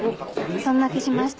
そんな気しました。